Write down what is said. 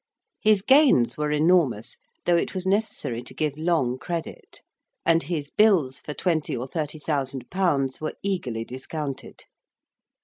His gains were enormous, though it was necessary to give long credit; and his bills for twenty or thirty thousand pounds were eagerly discounted.